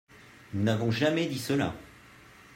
Nous n’avons jamais dit cela